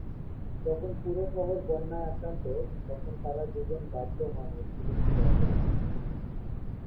যখন পুরো শহর বন্যায় আক্রান্ত তখন তারা দুজন বাধ্য হন একটি রুম শেয়ার করে থাকতে।